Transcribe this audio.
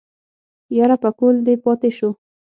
يره پکول دې پاتې شو.